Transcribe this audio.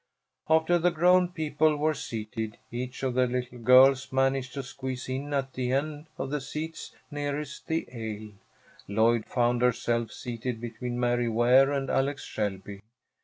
After the grown people were seated, each of the little girls managed to squeeze in at the end of the seats nearest the aisle. Lloyd found herself seated between Mary Ware and Alex Shelby.